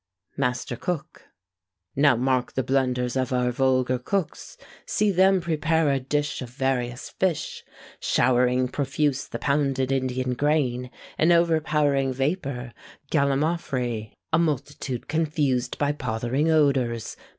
MASTER COOK. Now mark the blunders of our vulgar cooks! See them prepare a dish of various fish, Showering profuse the pounded Indian grain, An overpowering vapour, gallimaufry A multitude confused of pothering odours!